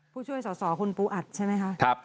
ผู้ช่วยส่อคุณปูอัตใช่ไหมครับ